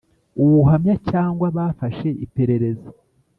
Ubuhamya cyangwa bafashe iperereza